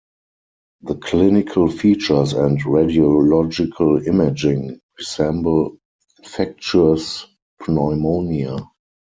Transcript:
The clinical features and radiological imaging resemble infectious pneumonia.